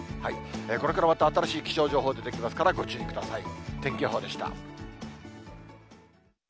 これからまた新しい気象情報出てきますからご注意ください。